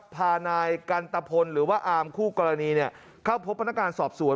พานายกันตะพลหรือว่าอามคู่กรณีเข้าพบพนักงานสอบสวน